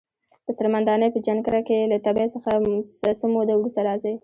په څرمن دانی په جنکره کښی له تبی څه موده وروسته راځی۔